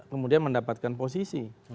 kemudian mendapatkan posisi